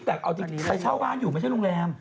แต่เอาจริงไปเช่าบ้านอยู่ไม่ใช่โรงแรม